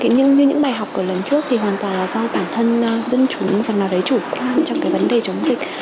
như những bài học của lần trước thì hoàn toàn là do bản thân dân chủng và nào đấy chủ quan trong cái vấn đề chống dịch